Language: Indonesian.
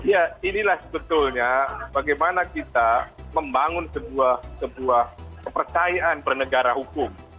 ya inilah sebetulnya bagaimana kita membangun sebuah kepercayaan bernegara hukum